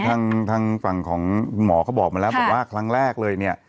ทางฝั่งของหมอเขาบอกมาแล้วบอกว่าครั้งแรกเลยเนี่ย